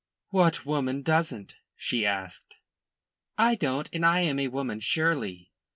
"What woman doesn't?" she asked. "I don't, and I am a woman, surely."